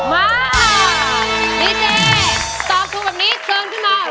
มาดีเจตอบถูกแบบนี้เชิญขึ้นมา